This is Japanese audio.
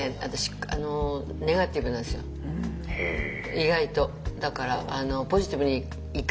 意外と。